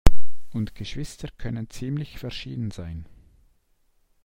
Und Geschwister können ziemlich verschieden sein.